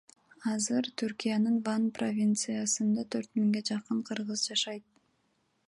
Азыр Түркиянын Ван провинциясында төрт миңге жакын кыргыз жашайт.